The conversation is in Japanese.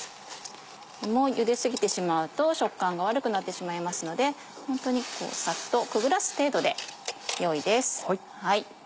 ゆで過ぎてしまうと食感が悪くなってしまいますのでホントにサッとくぐらす程度でよいです。